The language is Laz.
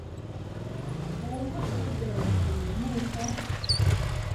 Ğormot̆i bere çkimi mu ikum!